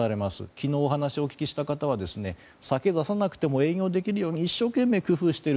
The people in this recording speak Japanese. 昨日、お話をお聞きした方は酒を出さなくても営業できるように一生懸命、工夫をしている。